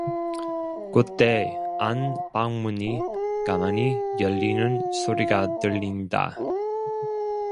그때 안 방문이 가만히 열리는 소리가 들린다.